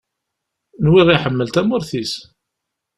Nwiɣ iḥemmel tamurt-is.